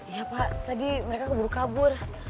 ya pak tadi mereka keburu kabur